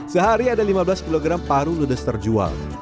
sehari ada lima belas kg paru ludes terjual